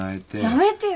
やめてよ。